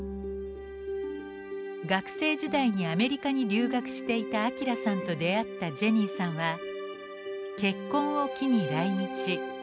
学生時代にアメリカに留学していた明さんと出会ったジェニーさんは結婚を機に来日。